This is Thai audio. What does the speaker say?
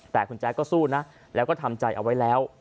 แต่คุณแจ๊ดก็สู้นะแล้วก็ทำใจเอาไว้แล้ว